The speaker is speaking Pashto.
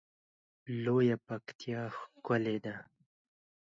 لویه پکتیا ښکلی ده